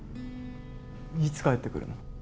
いつ帰ってくるの？